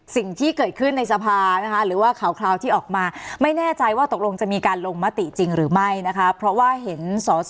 สนับสนุนโดยทีโพพิเศษถูกอนามัยสะอาดใสไร้คราบ